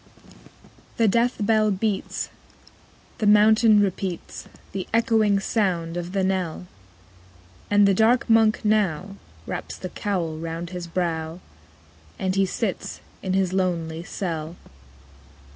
1. The death bell beats! The mountain repeats The echoing sound of the knell; And the dark Monk now Wraps the cowl round his brow, _5 As he sits in his lonely cell.